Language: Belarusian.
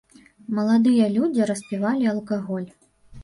Маладыя людзі распівалі алкаголь.